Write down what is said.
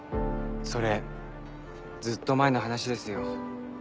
それずっと前の話ですよ。